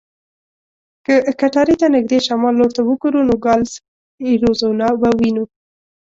که کټارې ته نږدې شمال لور ته وګورو، نوګالس اریزونا به وینو.